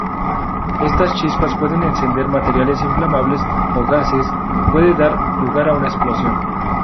Estas chispas pueden encender materiales inflamables o gases, puede dar lugar a una explosión.